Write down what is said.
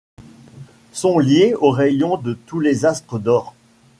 Sont liés aux rayons de tous les astres d’or.